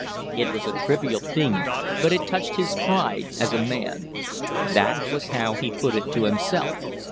It was a trivial thing, but it touched his pride as a man. That was how he put it to himself.